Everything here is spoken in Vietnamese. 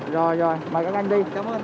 rồi rồi mời các anh đi